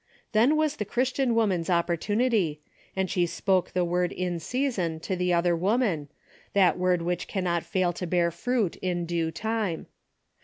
Then was the Christian woman's opportunity, and she spoke the word in season to the other woman, that word which cannot fail to bear fruit in due time.